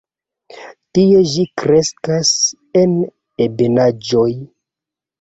Tie ĝi kreskas en ebenaĵoj.